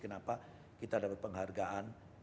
kenapa kita dapat penghargaan